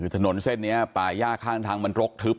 ถนนเส้นนี้ป่าย่าข้างทางมันรกทึบ